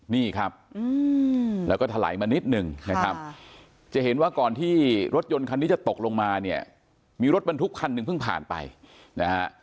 นี่ครับแล้วก็ถลายมานิดนึงนะครับจะเห็นว่าก่อนที่รถยนต์คันนี้จะตกลงมาเนี่ยมีรถบรรทุกคันหนึ่งเพิ่งผ่านไปนะฮะ